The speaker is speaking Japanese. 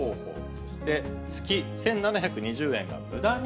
そして、月１７２０円がむだに？